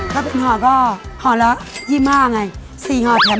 ถ้าเป็นหอก็ฮอย์ละยิ่มห้าไงสี่ห่อแถม